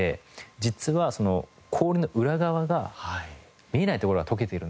実は氷の裏側が見えない所が解けているんだと。